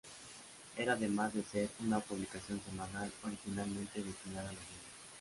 Era además de ser una publicación semanal originalmente destinada a los niños.